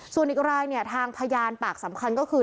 ส่วนอีกรายเนี่ยทางพยานปากสำคัญก็คือ